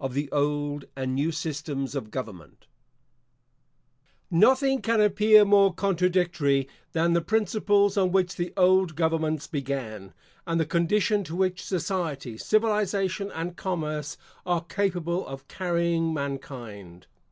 OF THE OLD AND NEW SYSTEMS OF GOVERNMENT Nothing can appear more contradictory than the principles on which the old governments began, and the condition to which society, civilisation and commerce are capable of carrying mankind.